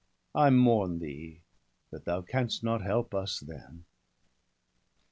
I mourn thee, that thou canst not help us then.'